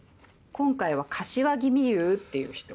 今回は柏木美遊っていう人。